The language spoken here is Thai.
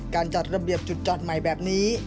จัดระเบียบจุดจอดใหม่แบบนี้